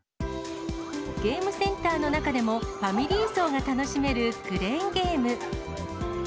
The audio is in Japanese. ゲームセンターの中でも、ファミリー層が楽しめるクレーンゲーム。